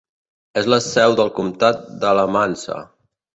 És la seu del comtat d'Alamance.